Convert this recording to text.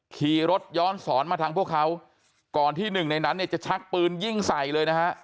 ขี่รถย้อนสอนมาทางพวกเขาก่อนที่หนึ่งในนั้นเนี่ยจะชักปืนยิงใส่เลยนะฮะ